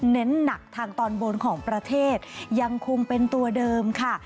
เน้นหนักทางตอนบนของประเทศยังคงเป็นตัวเดิมค่ะ